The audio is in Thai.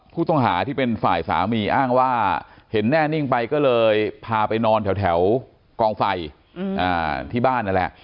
ผู้ต้องหาที่เป็นฝ่ายสามีอ้างว่าเห็นแน่นิ่งไปก็เลยพาไปนอนแถวกองไฟที่บ้านนั่นแหละ